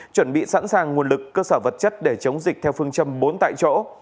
chuẩn bị sẵn sàng nguồn lực cơ sở vật chất để chống dịch theo phương châm bốn tại chỗ